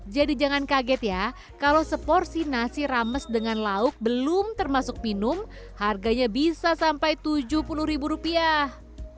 jadi jangan kaget ya kalau seporsi nasi rames dengan lauk belum termasuk minum harganya bisa sampai tujuh puluh rupiah